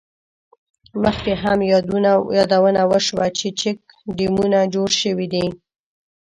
مخکې هم یادونه وشوه، چې چیک ډیمونه جوړ شوي دي.